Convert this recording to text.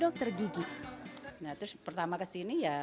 agar dia bisa berjaga